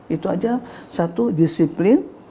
itu aja satu disiplin